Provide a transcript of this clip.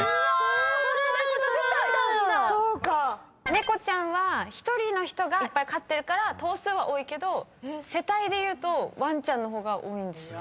猫ちゃんは１人の人がいっぱい飼ってるから頭数は多いけど世帯でいうとわんちゃんの方が多いんですって。